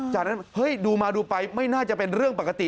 จากนั้นเฮ้ยดูมาดูไปไม่น่าจะเป็นเรื่องปกติ